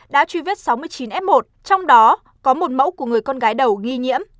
đã truy vết sáu mươi chín f một trong đó có một mẫu của người con gái đầu nghi nhiễm